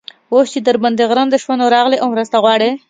اوس چې در باندې غرنده شوه؛ نو، راغلې او مرسته غواړې.